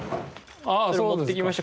これ持ってきました。